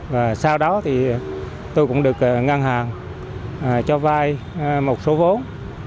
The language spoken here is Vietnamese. và sau đó thì tôi cũng được ngân hàng cho vai một số vốn